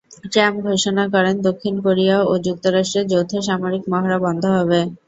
Trump ঘোষণা করেন দক্ষিণ কোরিয়া ও যুক্তরাষ্ট্রের যৌথ সামরিক মহড়া বন্ধ হবে।